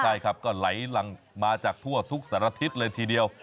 ใช่ครับก็ไหลหลังมาจากทั่วทุกสารทิศเลยทีเดียว